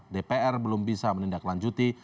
dpr belum bisa menindaklanjuti